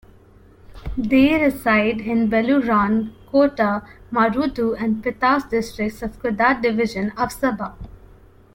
They reside in Beluran, Kota Marudu, and Pitas districts of Kudat Division of Sabah.